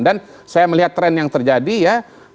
dan saya melihat tren yang terjadi ya